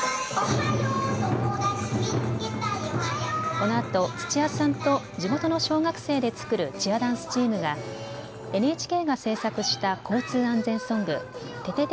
このあと土屋さんと地元の小学生で作るチアダンスチームがＮＨＫが制作した交通安全ソング、ててて！